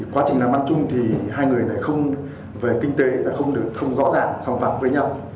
quá trình làm ăn chung thì hai người về kinh tế không rõ ràng song phạm với nhau